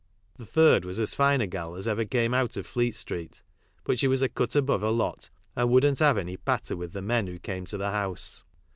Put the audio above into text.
The third was as fine a gal as ever came ant of Fleet street, but she was a cut above her lot, and wouldn't have any patter with the men who came to the house.